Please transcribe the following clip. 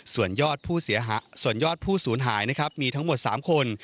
ส่วนยอดผู้เสียหายส่วนยอดผู้สูญหายนะครับมีทั้งหมด๓คน